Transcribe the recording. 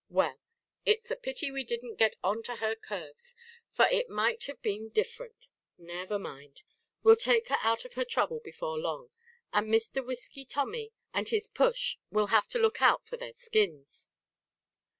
Well, it's a pity we didn't get on to her curves; for it might have been different! Never mind! We'll take her out of her trouble before long; and Mr. Whisky Tommy and his push will have to look out for their skins!"